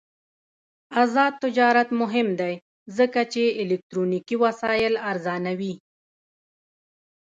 آزاد تجارت مهم دی ځکه چې الکترونیکي وسایل ارزانوي.